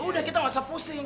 yaudah kita masa pusing